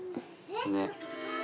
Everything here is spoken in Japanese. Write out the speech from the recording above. ねっ。